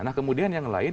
nah kemudian yang lain